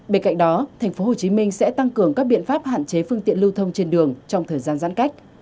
bên cạnh đó tp hcm sẽ tăng cường các biện pháp hạn chế phương tiện lưu thông trên đường trong thời gian giãn cách